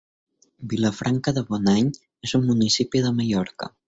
Vilafranca de Bonany és un municipi de Mallorca.